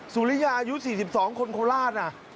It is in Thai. ซุริยายุทธี๔๒คนคอลาษนะ